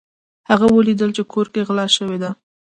هغه ولیدل چې کور کې غلا شوې ده.